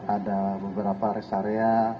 ada beberapa rest area